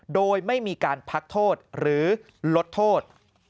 โดยไม่มีการพักโทษหรือลดโทษ